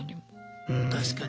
確かに。